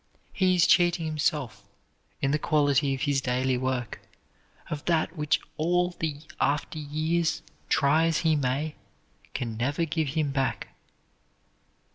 He is cheating himself, in the quality of his daily work, of that which all the after years, try as he may, can never give him back.